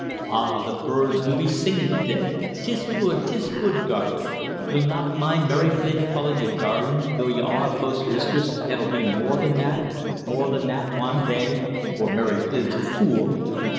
Ah, the birds do be singin' to day! 'Tis good! 'Tis good, darlin'! You'll not mind Mary Flynn callin' you darlin', though y'are postmistress, an' 'll be more than that more than that wan day or Mary Flynn's a fool.